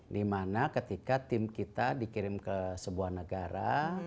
dimana ketika tim kita dikirim ke sebuah negara